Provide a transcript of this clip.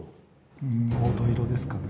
うん黄土色ですかね。